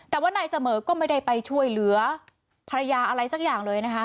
แต่ว่านายเสมอก็ไม่ได้ไปช่วยเหลือภรรยาอะไรสักอย่างเลยนะคะ